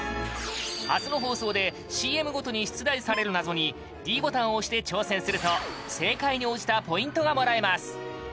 明日の放送でＣＭごとに出題される謎にｄボタンを押して挑戦すると正解に応じたポイントがもらえます